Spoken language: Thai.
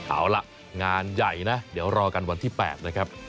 เอาล่ะงานใหญ่นะเดี๋ยวรอกันวันที่๘นะครับ